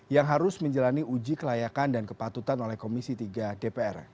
yang harus menjalani uji kelayakan dan kepatutan oleh komisi tiga dpr